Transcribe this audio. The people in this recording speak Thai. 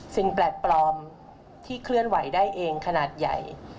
สิ่งแปลกปลอมที่เคลื่อนไหวได้เองขนาดใหญ่